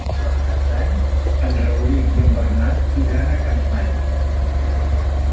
Per Cap d'Any en Rauric i en Bernat iran a Capmany.